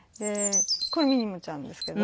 これミニモちゃんですけど。